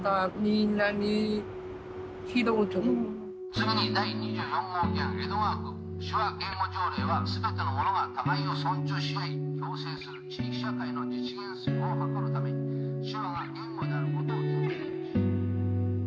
「次に第２４号議案江戸川区手話言語条例は全ての者が互いを尊重し合い共生する地域社会の実現を図るために手話が言語であることを前提として」。